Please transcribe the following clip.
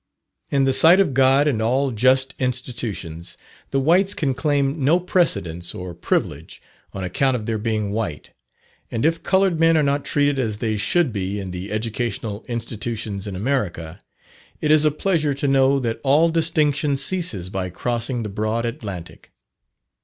In the sight of God and all just institutions, the whites can claim no precedence or privilege, on account of their being white; and if coloured men are not treated as they should be in the educational institutions in America, it is a pleasure to know that all distinction ceases by crossing the broad Atlantic.